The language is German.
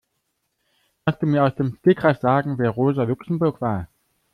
Kannst du mir aus dem Stegreif sagen, wer Rosa Luxemburg war?